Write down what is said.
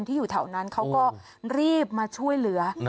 อยู่แถวนั้นเขาก็รีบมาช่วยเหลือ